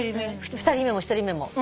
２人目も１人目も。